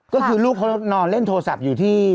ก็คือลูกเขานอนเล่นโทรศัพท์อยู่ที่